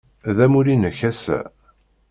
D amulli-nnek ass-a?